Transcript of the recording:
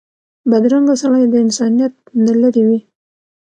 بدرنګه سړی د انسانیت نه لرې وي